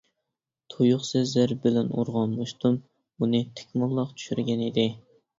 تۇيۇقسىز زەرب بىلەن ئۇرغان مۇشتۇم ئۇنى تىك موللاق چۈشۈرگەنىدى.